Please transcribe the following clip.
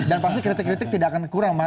dan pasti kritik kritik tidak akan kurang